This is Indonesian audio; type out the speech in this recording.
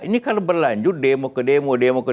ini kalau berlanjut demo ke demo